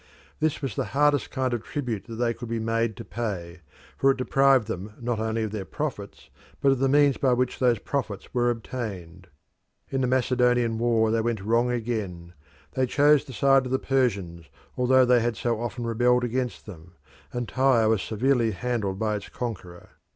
This was the hardest kind of tribute that they could be made to pay, for it deprived them not only of their profits but of the means by which those profits were obtained. In the Macedonian war they went wrong again; they chose the side of the Persians although they had so often rebelled against them and Tyre was severely handled by its conqueror.